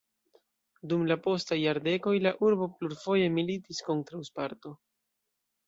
Dum la postaj jardekoj la urbo plurfoje militis kontraŭ Sparto.